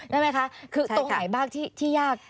ได้ไหมคะคือตรงไหนบ้างที่ยาก